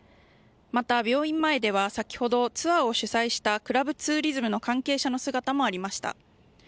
また、病院前では先ほどツアーを主催したクラブツーリズムの関係者の姿もありました。